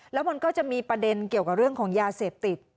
แล้วมันก็จะมีประเด็นเกี่ยวกับเรื่องของยาเสพติด